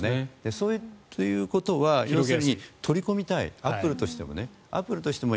そういうことは取り込みたいアップルとしてもね。